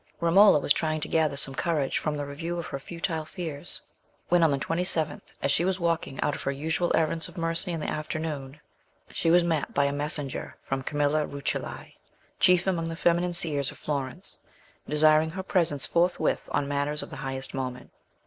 Romola was trying to gather some courage from the review of her futile fears, when on the twenty seventh, as she was walking out on her usual errands of mercy in the afternoon, she was met by a messenger from Camilla Rucellai, chief among the feminine seers of Florence, desiring her presence forthwith on matters of the highest moment.